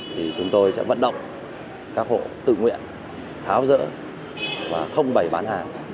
thì chúng tôi sẽ vận động các hộ tự nguyện tháo rỡ và không bày bán hàng